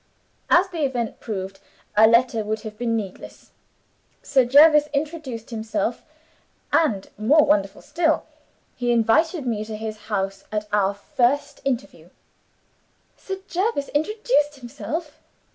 "As the event proved, a letter would have been needless. Sir Jervis introduced himself and, more wonderful still, he invited me to his house at our first interview." "Sir Jervis introduced himself?"